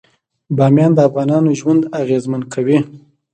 بامیان د افغانانو ژوند اغېزمن کوي.